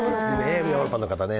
ヨーロッパの方はね。